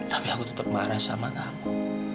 tapi aku tetep marah sama kamu